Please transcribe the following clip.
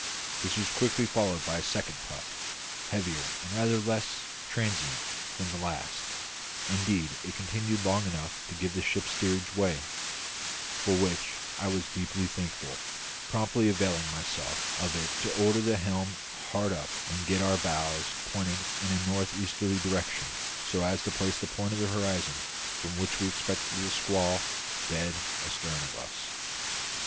This was quickly followed by a second puff, heavier and rather less transient than the last; indeed, it continued long enough to give the ship steerage way; for which I was deeply thankful, promptly availing myself of it to order the helm hard up and get our bows pointed in a north easterly direction, so as to place the point in the horizon from which we expected the squall dead astern of us.